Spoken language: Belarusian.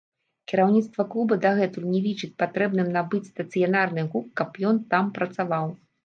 Кіраўніцтва клуба дагэтуль не лічыць патрэбным набыць стацыянарны гук, каб ён там працаваў.